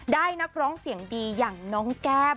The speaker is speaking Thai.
นักร้องเสียงดีอย่างน้องแก้ม